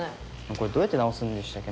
これどうやって直すんでしたっけ？